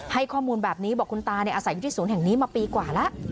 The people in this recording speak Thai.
ให้ข้อมูลแบบนี้บอกคุณตาเนี่ยอาศัยยุทธิศูนย์แห่งนี้มาปีกว่าละ